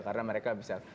karena mereka bisa